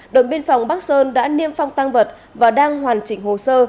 đồn biên phòng bắc sơn đã niêm phong tăng vật và đang hoàn chỉnh hồ sơ